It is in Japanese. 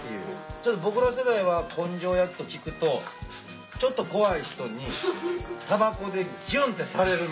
ちょっと僕ら世代は根性焼きと聞くとちょっと怖い人にたばこでジュンってされるみたいな。